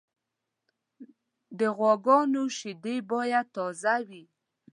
د غواګانو شیدې باید تازه وي.